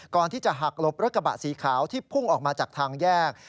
ก่อนที่จะหักหลบรถกระบะสีขาวที่พุ่งออกมาจากทางแยก